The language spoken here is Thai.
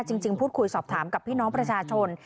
จริงพูดคุยสอบถามกับพี่น้องประชาชน